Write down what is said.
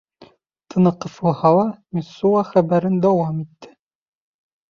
— Тыны ҡыҫылһа ла, Мессуа хәбәрен дауам итте.